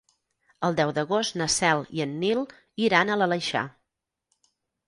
El deu d'agost na Cel i en Nil iran a l'Aleixar.